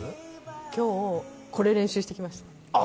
今日、これを練習してきました。